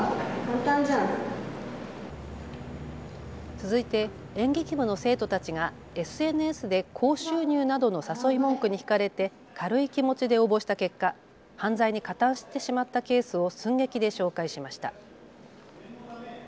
続いて演劇部の生徒たちがＳＮＳで高収入などの誘い文句にひかれて軽い気持ちで応募した結果、犯罪に加担してしまったケースを寸劇で紹介しました。